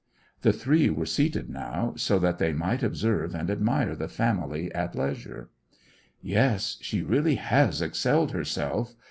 The three were seated now, so that they might observe and admire the family at leisure. "Yes, she really has excelled herself.